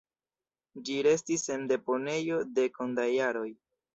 Ĝi restis en deponejo dekon da jaroj.